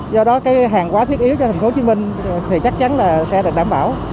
do đó cái hàng hóa thiết yếu cho thành phố hồ chí minh thì chắc chắn là xe được đảm bảo